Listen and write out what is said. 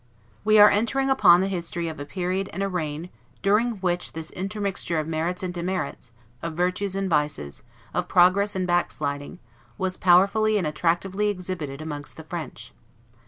We are entering upon the history of a period and a reign during which this intermixture of merits and demerits, of virtues and vices, of progress and backsliding, was powerfully and attractively exhibited amongst the French.